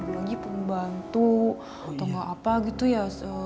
apalagi pembantu atau nggak apa gitu ya